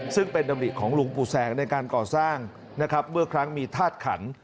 ซึ่งเป็นดำริของหลวงปู่แสงในการก่อสร้างนะครับเมื่อครั้งมีธาตุขัน